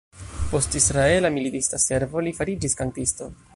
Post Israela militista servo, li fariĝis kantisto.